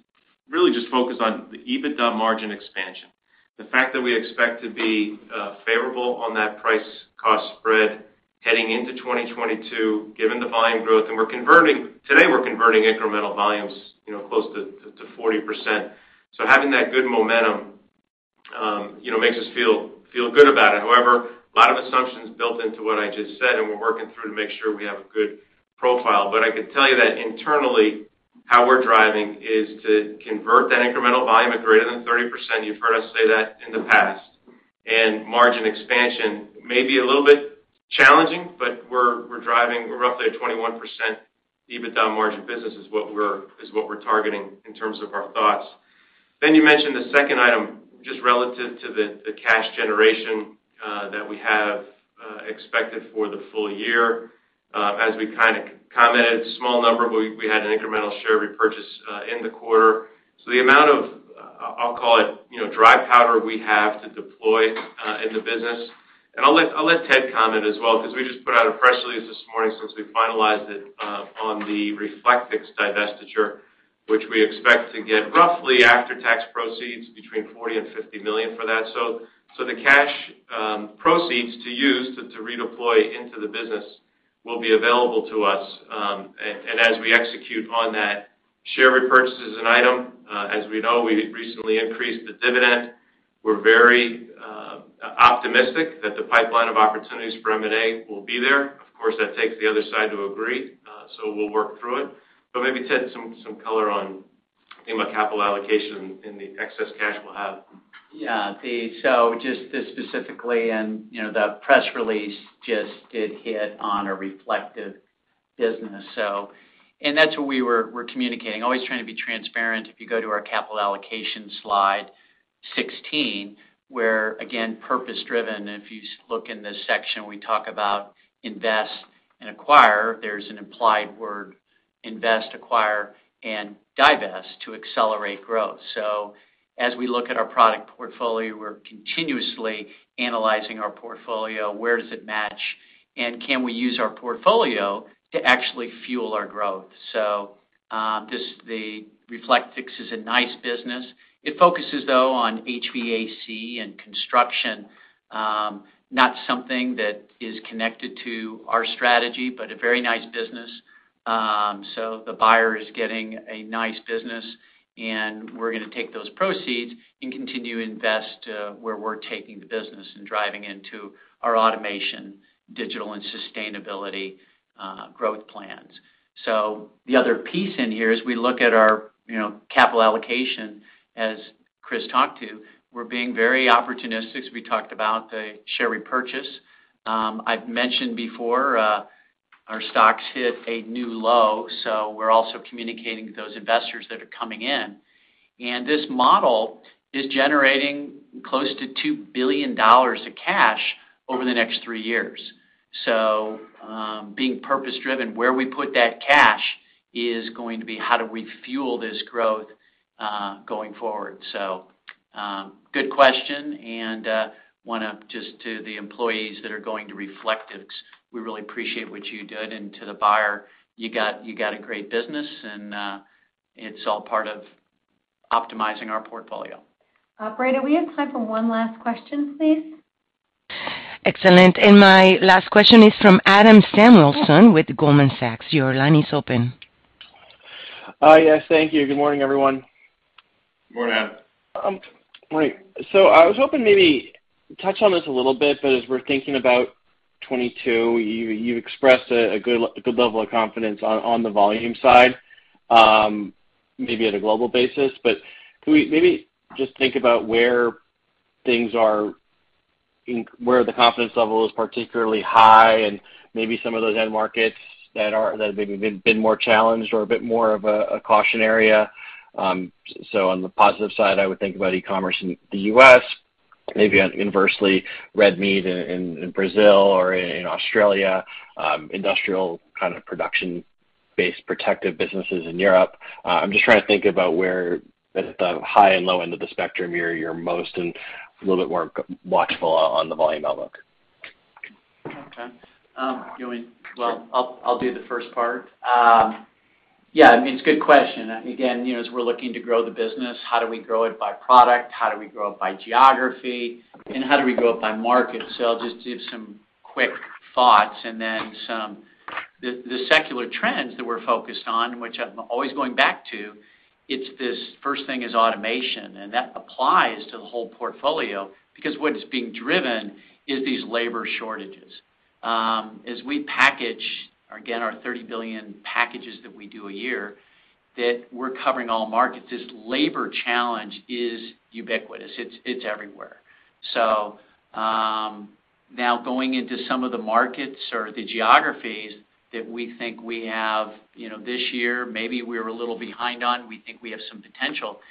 really just focused on the EBITDA margin expansion. The fact that we expect to be favorable on that price-cost spread heading into 2022, given the volume growth. We're converting incremental volumes close to 40%. Having that good momentum makes us feel good about it. However, a lot of assumptions built into what I just said, and we're working through to make sure we have a good profile. I could tell you that internally, how we're driving is to convert that incremental volume at greater than 30%. You've heard us say that in the past. Margin expansion may be a little bit challenging, but we're driving. We're roughly at 21% EBITDA margin business is what we're targeting in terms of our thoughts. You mentioned the second item, just relative to the cash generation that we have expected for the full-year. As we kind of commented, small number, we had an incremental share repurchase in the quarter. The amount of, I'll call it, you know, dry powder we have to deploy in the business. I'll let Ted comment as well, 'cause we just put out a press release this morning since we finalized it on the Reflectix divestiture, which we expect to get roughly after-tax proceeds between $40 and $50 million for that. The cash proceeds to use to redeploy into the business will be available to us and as we execute on that. Share repurchase is an item. As we know, we recently increased the dividend. We're very optimistic that the pipeline of opportunities for M&A will be there. Of course, that takes the other side to agree, so we'll work through it. Maybe, Ted, some color on, I think, my capital allocation in the excess cash we'll have. Just specifically, you know, the press release just did hit on a Reflectix business. That's what we're communicating, always trying to be transparent. If you go to our capital allocation slide 16, where again, purpose-driven, if you look in this section, we talk about invest and acquire. There's an implied word invest, acquire, and divest to accelerate growth. As we look at our product portfolio, we're continuously analyzing our portfolio. Where does it match? Can we use our portfolio to actually fuel our growth? This is Reflectix. It is a nice business. It focuses though on HVAC and construction, not something that is connected to our strategy, but a very nice business. The buyer is getting a nice business, and we're gonna take those proceeds and continue to invest where we're taking the business and driving into our automation, digital, and sustainability growth plans. The other piece in here is we look at our, you know, capital allocation as Chris talked about. We're being very opportunistic as we talked about the share repurchase. I've mentioned before, our stock hit a new low, so we're also communicating with those investors that are coming in. This model is generating close to $2 billion of cash over the next three years. Being purpose-driven, where we put that cash is going to be how do we fuel this growth going forward. Good question, and want to just say to the employees that are going to Reflectix, we really appreciate what you did. To the buyer, you got a great business and it's all part of optimizing our portfolio. Operator, we have time for one last question, please. Excellent. My last question is from Adam Samuelson with Goldman Sachs. Your line is open. Yes, thank you. Good morning, everyone. Good morning, Adam. Great. I was hoping maybe touch on this a little bit, but as we're thinking about 2022, you expressed a good level of confidence on the volume side, maybe at a global basis. But can we maybe just think about where the confidence level is particularly high and maybe some of those end markets that have maybe been more challenged or a bit more of a caution area. On the positive side, I would think about e-commerce in the U.S., and red meat in Brazil or in Australia, industrial kind of production-based Protective businesses in Europe. I'm just trying to think about where the high-and low-end of the spectrum you're most and a little bit more watchful on the volume outlook. Okay. You know what? Well, I'll do the first part. Yeah, I mean, it's a good question. Again, you know, as we're looking to grow the business, how do we grow it by product? How do we grow it by geography? And how do we grow it by market? I'll just give some quick thoughts. The secular trends that we're focused on, which I'm always going back to, it's this first thing is automation, and that applies to the whole portfolio because what is being driven is these labor shortages. As we package, again, our 30 billion packages that we do a year, that we're covering all markets. This labor challenge is ubiquitous. It's everywhere. Now going into some of the markets or the geographies that we think we have, you know, this year, maybe we're a little behind on. We think we have some potential.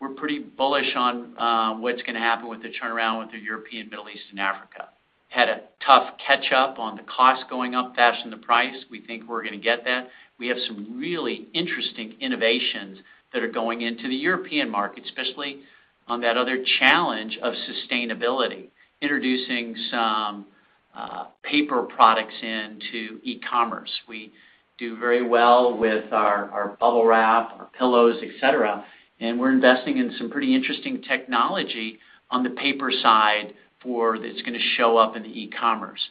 We're pretty bullish on what's gonna happen with the turnaround with the European, Middle East, and Africa. Had a tough catch up on the cost going up faster than the price. We think we're gonna get that. We have some really interesting innovations that are going into the European market, especially on that other challenge of sustainability, introducing some paper products into e-commerce. We do very well with our Bubble Wrap, our pillows, et cetera. We're investing in some pretty interesting technology on the paper side for, that's gonna show up in the e-commerce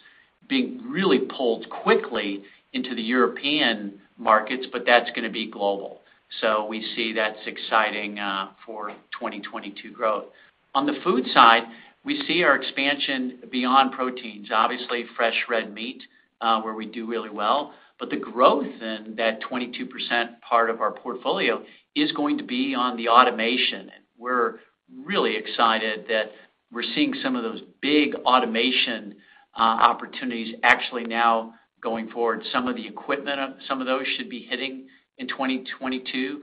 being really pulled quickly into the European markets, but that's gonna be global. We see that's exciting for 2022 growth. On the Food side, we see our expansion beyond proteins, obviously fresh red meat, where we do really well. The growth in that 22% part of our portfolio is going to be on the automation. We're really excited that we're seeing some of those big automation opportunities actually now going forward. Some of the equipment of some of those should be hitting in 2022.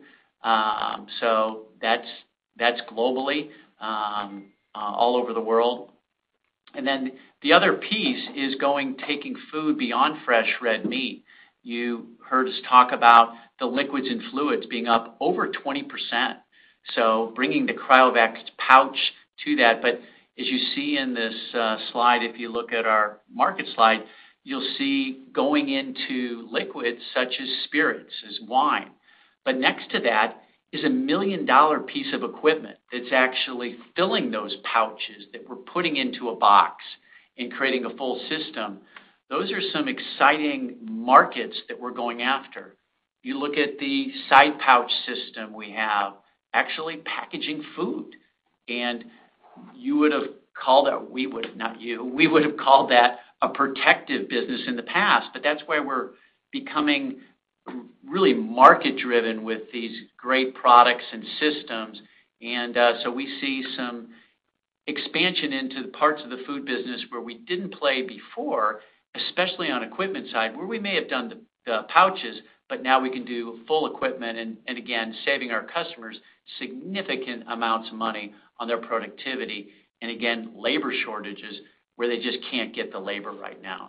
That's globally, all over the world. The other piece is taking food beyond fresh red meat. You heard us talk about the liquids and fluids being up over 20%, so bringing the Cryovac pouch to that. As you see in this slide, if you look at our market slide, you'll see going into liquids such as spirits, as wine. Next to that is a million-dollar piece of equipment that's actually filling those pouches that we're putting into a box and creating a full system. Those are some exciting markets that we're going after. You look at the side pouch system we have actually packaging food. We would have called that a Protective business in the past, but that's why we're becoming really market-driven with these great products and systems. We see some expansion into parts of the Food business where we didn't play before, especially on equipment side, where we may have done the pouches, but now we can do full equipment and again, saving our customers significant amounts of money on their productivity and again, labor shortages, where they just can't get the labor right now.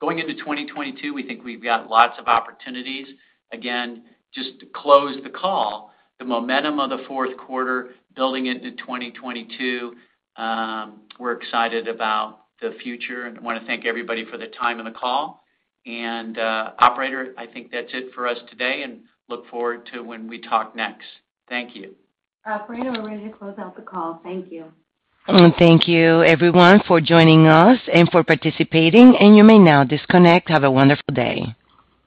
Going into 2022, we think we've got lots of opportunities. Again, just to close the call, the momentum of the Q4 building into 2022, we're excited about the future and wanna thank everybody for their time on the call. Operator, I think that's it for us today, and look forward to when we talk next. Thank you. Operator, we're ready to close out the call. Thank you. Thank you, everyone, for joining us and for participating. You may now disconnect. Have a wonderful day.